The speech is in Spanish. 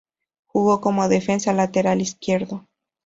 Jugó como defensa lateral izquierdo.